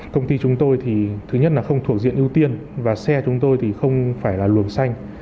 công ty chúng tôi thì thứ nhất là không thuộc diện ưu tiên và xe chúng tôi thì không phải là luồng xanh